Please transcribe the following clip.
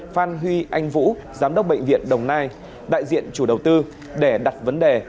phan huy anh vũ giám đốc bệnh viện đồng nai đại diện chủ đầu tư để đặt vấn đề